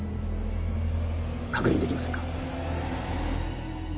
確認できませんか？